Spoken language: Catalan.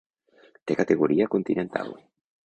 Té categoria continental.